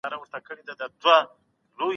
ګوندونو د خلګو سياسي ګډون ته زيات ارزښت ورکاوه.